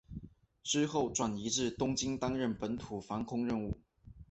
之后转移至东京担任本土防空任务。